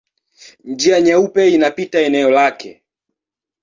Njia Nyeupe inapita eneo lake.